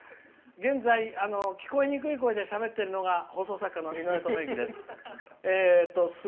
現在聞こえにくい声でしゃべっているのが放送作家の井上知幸です。